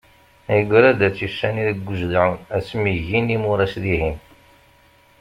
Igra ad tt-issani deg ujedɛun asmi ggin imuras dihin.